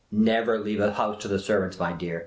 Never leave a house to the servants, my dear